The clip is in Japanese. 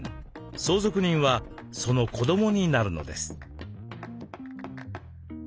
相続人はその子どもになるのです。